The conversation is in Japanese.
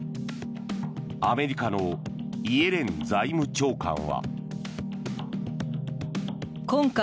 アメリカのイエレン財務長官は。